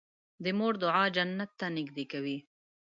د مور دعا جنت ته نږدې کوي.